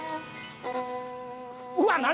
うわっ何？